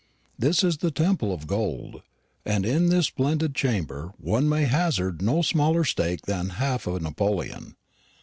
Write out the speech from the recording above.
This is the temple of gold; and in this splendid chamber one may hazard no smaller stake than half a napoleon.